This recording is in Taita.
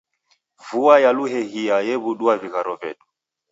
Vua ya luhehia yew'udua vigharo vedu